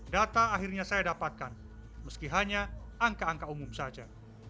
data akhirnya saya dapatkan meski hanya angka angka umum saja